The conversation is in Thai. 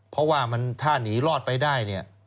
เพราะว่ามันถ้าหนีรอดไปได้เนี่ย